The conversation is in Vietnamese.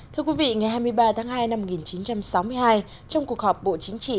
thưa quý vị ngày hai mươi ba tháng hai năm một nghìn chín trăm sáu mươi hai trong cuộc họp bộ chính trị